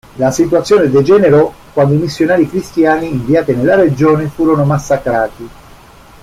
La situazione degenerò quando i missionari cristiani inviati nella regione furono massacrati.